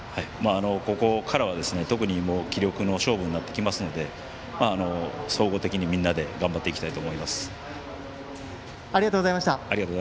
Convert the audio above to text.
ここからは特に気力の勝負になってきますので総合的にみんなで頑張っていきたいとありがとうございました。